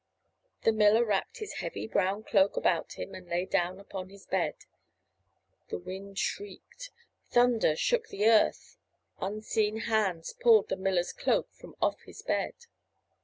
The miller wrapped his heavy brown cloak about him and lay down upon his bed. The wind shrieked. Thunder shook the earth. Unseen hands pulled the miller's cloak from off his bed.